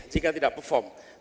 jika tidak performa